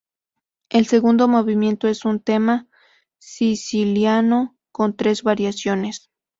El segundo movimiento es un tema siciliano con tres variaciones.